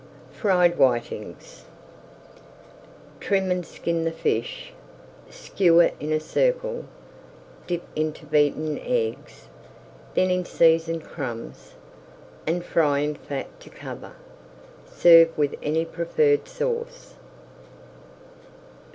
FRIED WHITINGS Trim and skin the fish, skewer in a circle, dip into beaten eggs, then in seasoned crumbs, and fry in fat to cover. Serve with any preferred sauce.